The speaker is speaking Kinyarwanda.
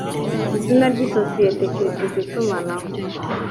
izina ry isosiyete keretse ku itumanaho